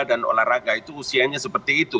dan olahraga itu usianya seperti itu